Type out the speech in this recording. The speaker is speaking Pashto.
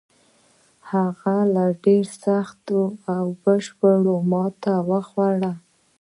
هغه ډېره سخته او بشپړه ماته وخوړه.